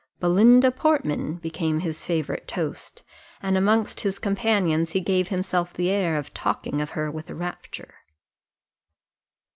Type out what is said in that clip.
"Belinda Portman" became his favourite toast, and amongst his companions he gave himself the air of talking of her with rapture.